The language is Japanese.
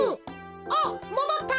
おっもどった！